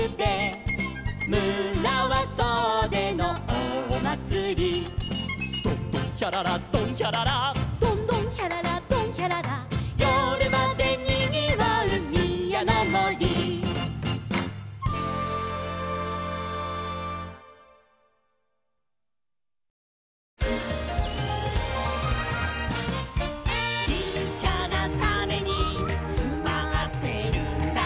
「村は総出の大祭」「ドンドンヒャララドンヒャララ」「ドンドンヒャララドンヒャララ」「夜まで賑う宮の森」「ちっちゃなタネにつまってるんだ」